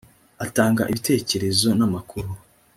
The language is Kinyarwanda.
atanga ibitekerezo n ‘amakuru.